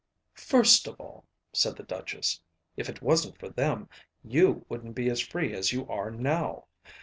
"First of all," said the Duchess, "if it wasn't for them, you wouldn't be as free as you are now.